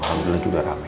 alhamdulillah juga ramai